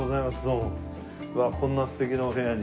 うわこんな素敵なお部屋に。